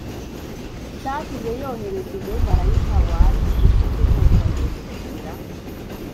cyatumye yohereza umumarayika wari ufite inkota ndende kugira